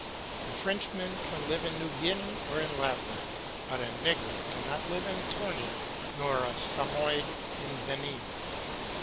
A Frenchman can live in New Guinea or in Lapland, but a negro cannot live in Tornea nor a Samoyed in Benin.